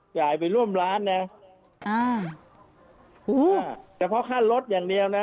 ไปร่วมล้านนะอ่าแต่เพราะค่ารถอย่างเดียวนะ